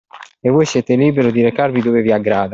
E voi siete libero di recarvi dove vi aggrada.